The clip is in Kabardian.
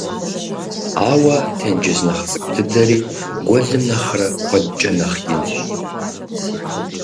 Ауэ тенджыз нэхъ цӀыкӀу дыдэри гуэлым нэхърэ куэдкӀэ нэхъ инщ.